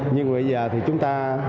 nhưng bây giờ thì chúng ta